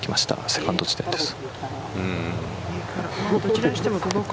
セカンド地点です。